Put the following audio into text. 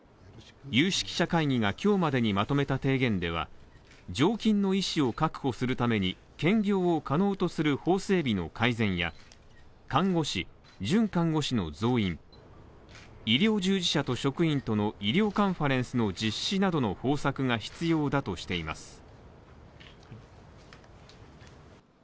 有識者会議が今日までにまとめた提言では常勤の医師を確保するために兼業を可能とする法整備の改善や看護師、准看護師の増員、医療従事者と職員との、医療カンファレンスの実施などの方策が必要だとしています。